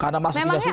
karena masuknya susah